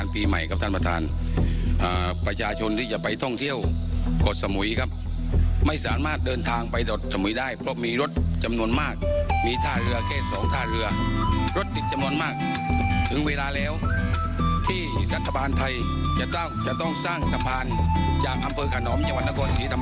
ไปเปลืองเกาะสมุยจังหวัดผุราชธานี